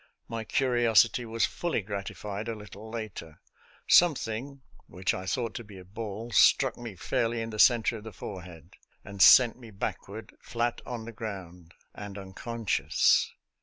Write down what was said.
My curiosity was fully gratified a little later. Some thing, which I thought to be a ball, struck me fairly in the center of the forehead and sent me backward, flat on the ground and uncon scious.